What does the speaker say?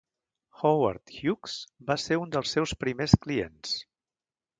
Howard Hughes va ser un dels seus primers clients.